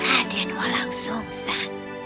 raiden wolang sungsat